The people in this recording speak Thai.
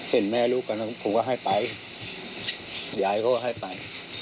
เห็นแม่ลูกกันผมก็ให้ไปยายก็ให้ไป